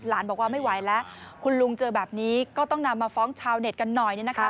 บอกว่าไม่ไหวแล้วคุณลุงเจอแบบนี้ก็ต้องนำมาฟ้องชาวเน็ตกันหน่อย